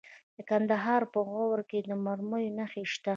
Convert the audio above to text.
د کندهار په غورک کې د مرمرو نښې شته.